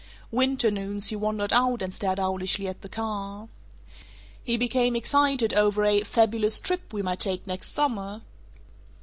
Winter noons he wandered out and stared owlishly at the car. He became excited over a fabulous "trip we might take next summer."